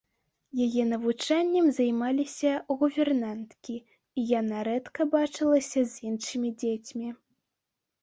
Яе навучаннем займаліся гувернанткі, і яна рэдка бачылася з іншымі дзецьмі.